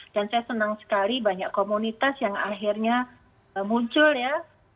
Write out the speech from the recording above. saya senang sekali banyak komunitas yang akhirnya muncul ya